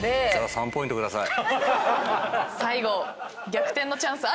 ３ポイント下さい。